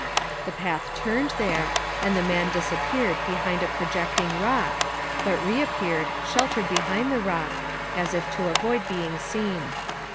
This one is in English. The path turned there, and the man disappeared beyond a projecting rock, but reappeared, shelter ing behind the rock, as if to avoid being seen.